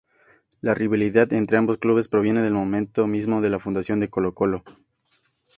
La rivalidad entre ambos clubes proviene del momento mismo de la fundación de Colo-Colo.